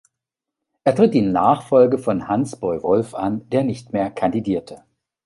Er tritt die Nachfolge von Hans Boy Wolff an, der nicht mehr kandidierte.